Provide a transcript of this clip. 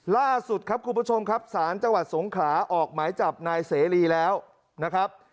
ล่าสุดครับคุณผู้ชมครับศาลจังหวัดสงขลาออกหมายจับนายเสรีแล้วนะครับ